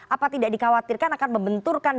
apa tidak dikhawatirkan akan membenturkan